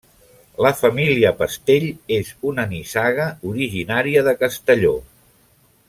La família Pastell és una nissaga originària de Castelló.